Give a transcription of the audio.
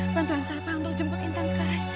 bantuan saya pak untuk jemput nintan sekarang